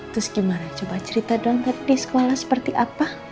terus gimana coba cerita doa di sekolah seperti apa